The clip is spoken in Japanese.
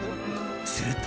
すると。